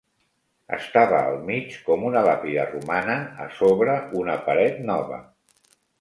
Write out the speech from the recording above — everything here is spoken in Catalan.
Estava al mig com una làpida romana a sobre una paret nova